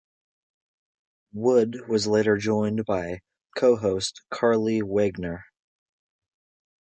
Wood was later joined by co-host Carley Wegner.